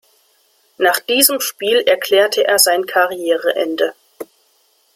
Nach diesem Spiel erklärte er sein Karriereende.